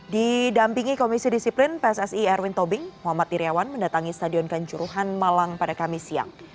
didampingi komisi disiplin pssi erwin tobing muhammad iryawan mendatangi stadion kanjuruhan malang pada kamis siang